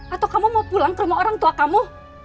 atau kamu mau pulang ke rumah orang tua kamu